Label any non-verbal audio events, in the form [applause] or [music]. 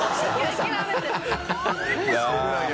諦めて [laughs]